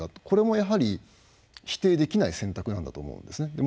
これもやはり否定できない選択なんだと思うんですね。